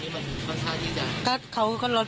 ก็บ่อยเหมือนกันเพราะว่าพื้นที่แบบนี้มันค่อนข้างที่จอด